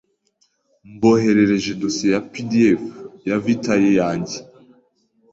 Mboherereje dosiye ya PDF ya vitae yanjye.